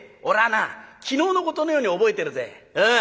おらぁな昨日のことのように覚えてるぜ。